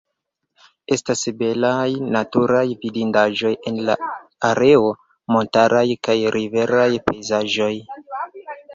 Estas belaj naturaj vidindaĵoj en la areo, montaraj kaj riveraj pejzaĝoj.